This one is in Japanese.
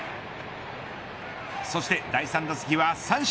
そして第３打席は三振。